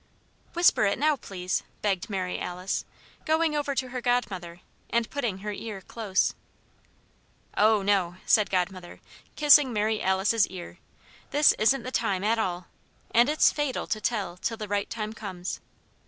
"Whisper it now, please," begged Mary Alice, going over to her godmother and putting her ear close. "Oh, no," said Godmother, kissing Mary Alice's ear, "this isn't the time at all. And it's fatal to tell till the right time comes."